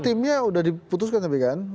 timnya sudah diputuskan tapi kan